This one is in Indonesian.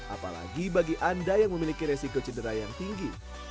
apalagi bagi anda yang memiliki resiko cedera yang tinggi